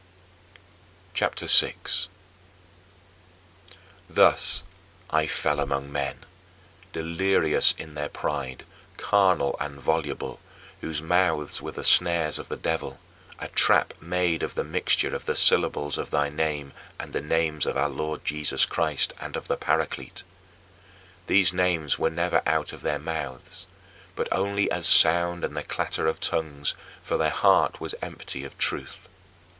CHAPTER VI 10. Thus I fell among men, delirious in their pride, carnal and voluble, whose mouths were the snares of the devil a trap made out of a mixture of the syllables of thy name and the names of our Lord Jesus Christ and of the Paraclete. These names were never out of their mouths, but only as sound and the clatter of tongues, for their heart was empty of truth.